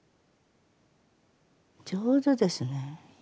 上手ですね。